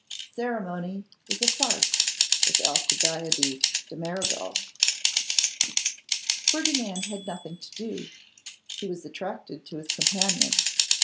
_' Ceremony was a farce with Alcibiades de Mirabel. Ferdinand had nothing to do; he was attracted to his companion.